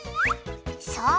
そう！